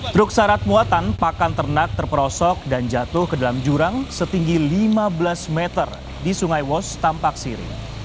truk syarat muatan pakan ternak terperosok dan jatuh ke dalam jurang setinggi lima belas meter di sungai wos tampak siri